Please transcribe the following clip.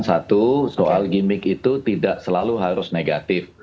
satu soal gimmick itu tidak selalu harus negatif